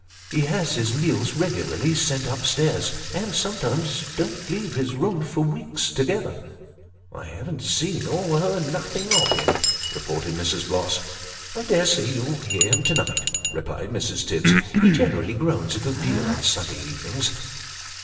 He has his meals regularly sent up stairs, and sometimes don't leave his room for weeks together." " I haven't seen or heard nothing of him," repeated Mrs. Bloss. "I dare say you'll hear him to night," replied Mrs. Tibbs; "he generally groans a good deal on Sunday evenings."